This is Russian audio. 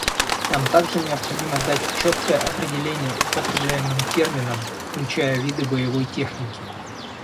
Нам также необходимо дать четкое определение употребляемым терминам, включая виды боевой техники.